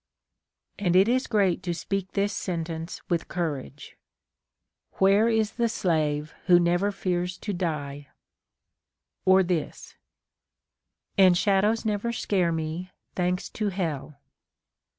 And it is great to speak this sentence wdth courage :— Where is the slave who never fears to die ?* Or this :— And shadows never scare me, thanks to hell.